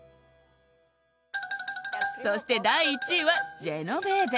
そして第１位は「ジェノベーゼ」。